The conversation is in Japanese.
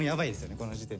この時点で。